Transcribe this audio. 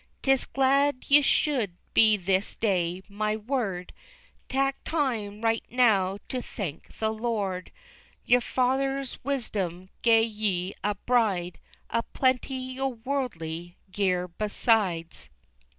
'Tis glad ye should be this day my word! Tak' time right now to thank the Lord, Yer father's wisdom gat ye a bride An' plenty o' worldly gear besides."